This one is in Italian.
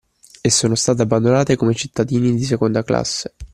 E sono state abbandonate come “cittadini di seconda classe”